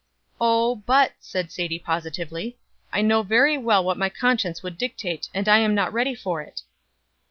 "Oh, but," said Sadie, positively, "I know very well what my conscience would dictate, and I am not ready for it."